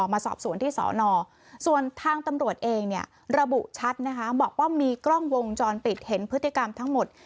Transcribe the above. มาสอบสวนที่สอนอส่วนทางตำรวจเองเนี่ยระบุชัดนะคะบอกว่ามีกล้องวงจรปิดเห็นพฤติกรรมทั้งหมด